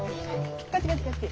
こっちこっちこっち。